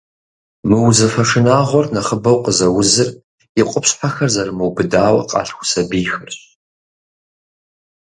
Мы узыфэ шынагъуэр нэхъыбэу къызэузыр и къупщхьэхэр зэрымубыдауэ къалъху сабийхэращ.